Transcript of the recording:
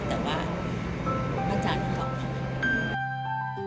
แต่ว่าอาจารย์ก็กลับค่ะ